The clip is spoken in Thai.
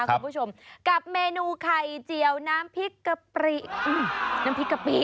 คุณผู้ชมกับเมนูไข่เจียวน้ำพริกกะปริน้ำพริกกะปิ